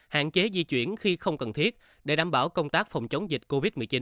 hạn chế di chuyển khi không cần thiết để đảm bảo công tác phòng chống dịch covid một mươi chín